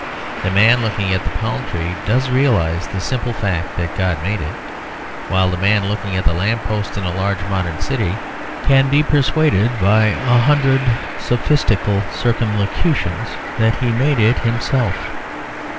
The man looking at the palm tree does realise the simple fact that God made it; while the man looking at the lamp post in a large modern city can be persuaded by a hundred sophistical circumlocutions that he made it himself.